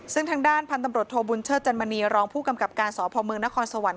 ซึ่งทางด้านพันธุ์ตำรวจโทบุญเชิดจันมณีรองผู้กำกับการสพมนครสวรรค